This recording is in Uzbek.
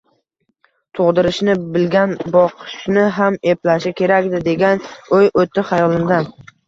Tug`dirishni bilgan boqishni ham eplashi kerak-da, degan o`y o`tdi xayolimdan